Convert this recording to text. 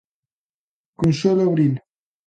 Consuelo Abril.